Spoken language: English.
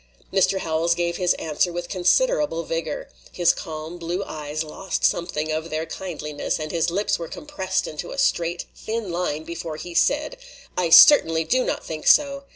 Mr. Howells gave his answer with considerable vigor. His calm, blue eyes lost something of their kindliness, and his lips were compressed into a straight, thin line before he said: "I certainly do not think so.